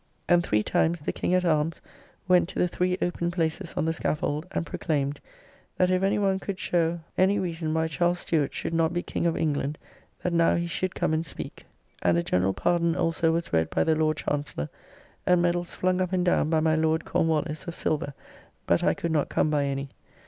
And three times the King at Arms went to the three open places on the scaffold, and proclaimed, that if any one could show any reason why Charles Stewart should not be King of England, that now he should come and speak. And a Generall Pardon also was read by the Lord Chancellor, and meddalls flung up and down by my Lord Cornwallis, of silver, but I could not come by any.